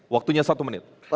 waktunya satu menit